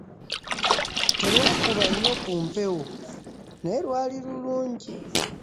Terwakuba nnyo ku mpewo naye lwali lulungi.